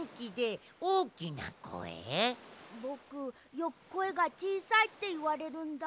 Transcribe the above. ぼくよくこえがちいさいっていわれるんだ。